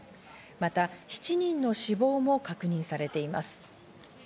また７人の死亡も確認されています。